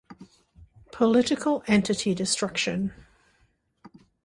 Political entity destruction.